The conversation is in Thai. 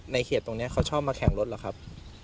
เขตตรงนี้เขาชอบมาแข่งรถเหรอครับ